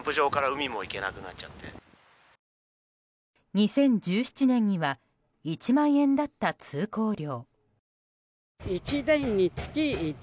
２０１７年には１万円だった通行料。